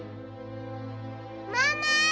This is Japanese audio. ママ！